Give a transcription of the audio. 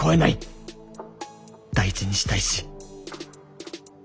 大事にしたいし。